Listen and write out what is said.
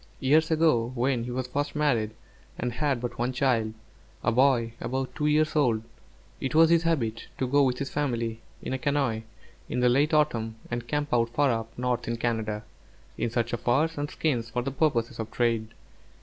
Years ago when he was first married, and had but one child, a boy about two years old, it was his habit to go with his family, in a canoe, in the late autumn, and camp out far up north in Canada, in search of furs and skins for purposes of trade.